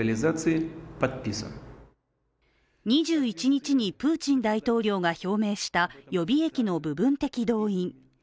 ２１日にプーチン大統領が表明した予備役の部分的動員。